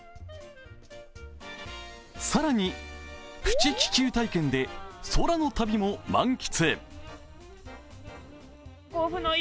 更に、プチ気球体験で空の旅も満喫。